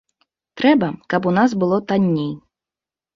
Трэба, каб у нас было танней.